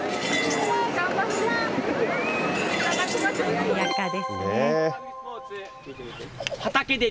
にぎやかですね。